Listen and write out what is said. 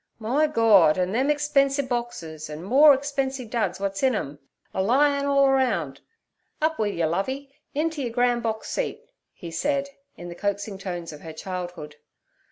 'My Gord! an' them expensie boxes, an' more'n expensie duds wuts in 'em, a lyin' orl aroun'. Up wi' yer, Lovey, inter yer gran' box seat' he said in the coaxing tones of her childhood.